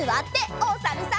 おさるさん。